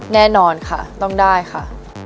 แน่นอนค่ะต้องได้ค่ะ